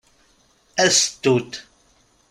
A sstut!